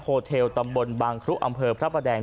เทลตำบลบางครุอำเภอพระประแดง